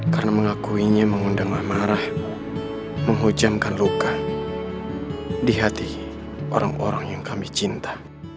karena mengakuinya mengundang amarah menghujamkan luka di hati orang orang yang kami cinta